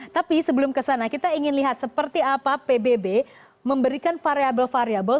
tapi sebelum kesana kita ingin lihat seperti apa pbb memberikan variable variable